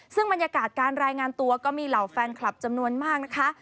ซึ่งบรรยากาศการรายงานตัวก็มีเหล่าแฟนคลับจำนวนมากนะคะ